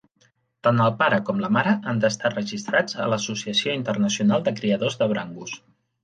Tant el pare com la mare han d'estar registrats a l'Associació internacional de criadors de Brangus.